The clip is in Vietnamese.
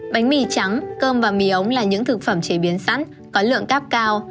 bánh mì trắng cơm và mì ống là những thực phẩm chế biến sẵn có lượng cáp cao